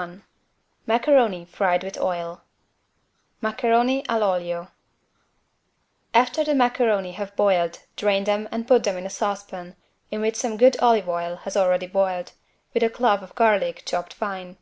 21 MACARONI FRIED WITH OIL (Maccheroni all'olio) After the macaroni have boiled drain them and put them in a saucepan in which some good olive oil has already boiled, with a clove of garlic chopped fine.